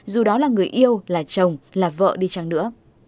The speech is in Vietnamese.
dù đó là người yêu là chồng là vợ đi chăng nữa